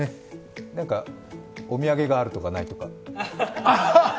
なんかお土産があるとか、ないとか。